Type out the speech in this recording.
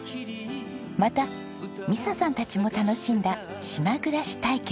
また美砂さんたちも楽しんだ「島ぐらし体験」